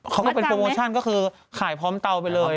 เขาก็เป็นโปรโมชั่นก็คือขายพร้อมเตาไปเลย